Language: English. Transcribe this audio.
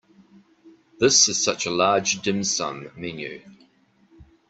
This is such a large dim sum menu.